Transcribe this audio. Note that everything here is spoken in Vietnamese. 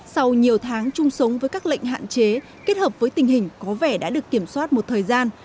sau nhiều tháng chung sống với các lệnh hạn chế kết hợp với tình hình có vẻ đã được kiểm soát một thời gian